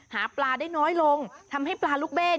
หาปลาได้น้อยลงทำให้ปลาลูกเบ้